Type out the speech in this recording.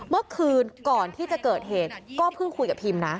เมื่อคืนก่อนที่จะเกิดเหตุก็เพิ่งคุยกับพิมนะ